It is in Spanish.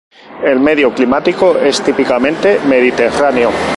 El medio climático es el típicamente mediterráneo.